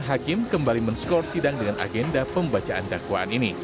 hakim kembali men score sidang dengan agenda pembacaan dakwaan ini